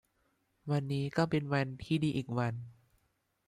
วันนี้ก็เป็นวันที่ดีอีกวัน